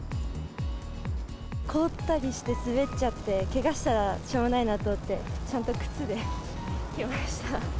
凍ったりして滑っちゃって、けがしたらしょうもないなと思って、ちゃんと靴で来ました。